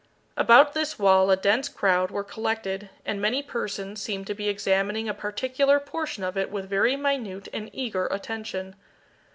About this wall a dense crowd were collected, and many persons seemed to be examining a particular portion of it with very minute and eager attention.